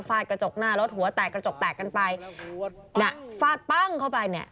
กระจกหน้ารถหัวแตกกระจกแตกกันไปน่ะฟาดปั้งเข้าไปเนี่ย